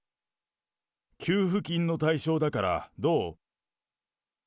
給付金の対象だからどう？